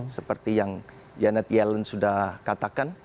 seperti yang janet yellen sudah katakan